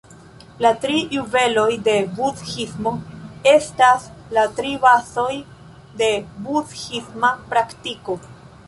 La tri juveloj de la Budhismo estas la tri bazoj de budhisma praktiko.